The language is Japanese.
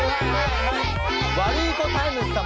ワルイコタイムス様。